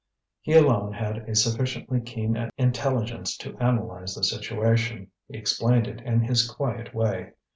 He alone had a sufficiently keen intelligence to analyse the situation. He explained it in his quiet way.